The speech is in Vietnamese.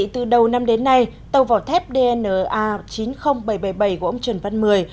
từ đầu năm đến nay tàu vỏ thép dna chín mươi nghìn bảy trăm bảy mươi bảy của ông trần văn mười